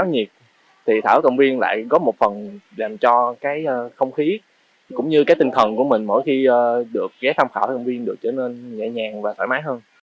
nói nhiệt thì thảo cầm viên lại có một phần làm cho không khí cũng như tinh thần của mình mỗi khi được ghé thăm thảo cầm viên được trở nên nhẹ nhàng và thoải mái hơn